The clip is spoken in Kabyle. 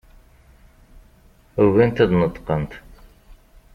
Ugint ad d-neṭqent.